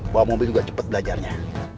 bawa mobil juga cepat belajarnya